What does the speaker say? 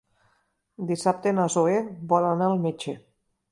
Dissabte na Zoè vol anar al metge.